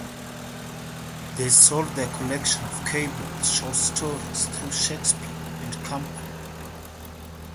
They sold their collection of Kay Boyle's short stories through Shakespeare and Company.